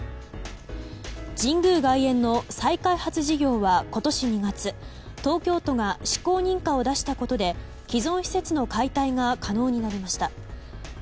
神宮外苑の再開発事業は今年２月東京都が施行認可を出したことで既存施設の解体が可能になりました。